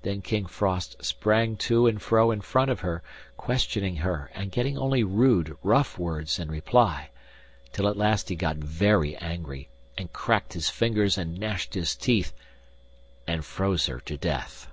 Then King Frost sprang to and fro in front of her, questioning her, and getting only rude, rough words in reply, till at last he got very angry, and cracked his fingers, and gnashed his teeth, and froze her to death.